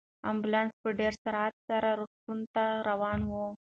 امبولانس په ډېر سرعت سره روغتون ته روان و.